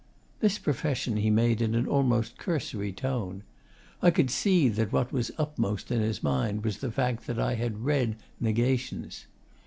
This profession he made in an almost cursory tone. I could see that what was upmost in his mind was the fact that I had read 'Negations.